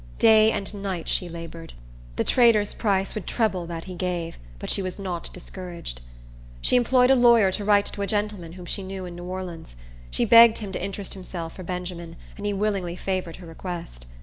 Day and night she labored. The trader's price would treble that he gave; but she was not discouraged. She employed a lawyer to write to a gentleman, whom she knew, in New Orleans. She begged him to interest himself for Benjamin, and he willingly favored her request.